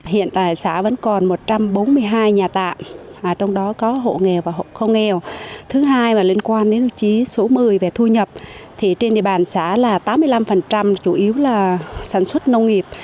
hiện tại xã vẫn còn một trăm bốn mươi hai nhà tạm trong đó có hộ nghèo và hộ không nghèo thứ hai liên quan đến tiêu chí số một mươi về thu nhập trên địa bàn xã là tám mươi năm chủ yếu là sản xuất nông nghiệp